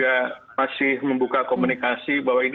saya masih membuka komunikasi bahwa ini